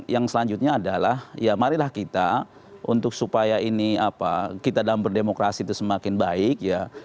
yang selanjutnya adalah ya marilah kita untuk supaya ini apa kita dalam berdemokrasi itu semakin baik ya